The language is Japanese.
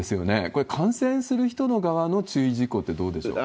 これ、観戦する側の人の注意事項ってどうでしょう？